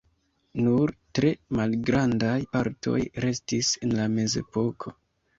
Nur tre malgrandaj partoj restis el la mezepoko.